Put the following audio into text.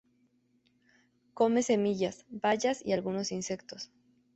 Come semillas, bayas y algunos insectos.